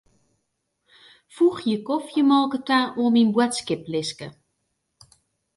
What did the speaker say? Foegje kofjemolke ta oan myn boadskiplistke.